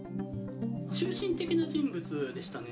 中心的な人物でしたね。